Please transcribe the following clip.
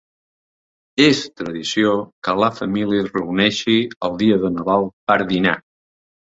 És tradició que la família es reuneixi el dia de Nadal per dinar.